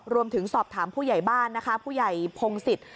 รวมถึงสอบถามผู้ใหญ่บ้านนะคะผู้ใหญ่พงศิษย์